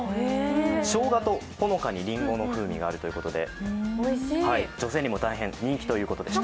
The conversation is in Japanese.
しょうがとほのかにりんごの風味があるということで、女性にも大変、人気ということでした。